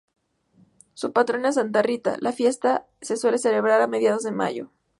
Su patrona es Santa Rita, la fiesta se suela celebrar a mediados de mayo.